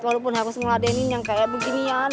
walaupun harus meladenin yang kayak beginian